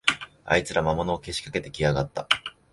あいつら、魔物をけしかけてきやがった